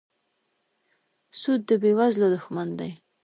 سود د بېوزلو دښمن دی.